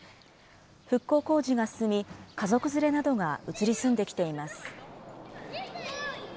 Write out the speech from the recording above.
復興工事が進み、家族連れなどが移り住んできています。